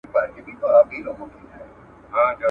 سم په ښار کي وناڅم څوک خو به څه نه وايي ,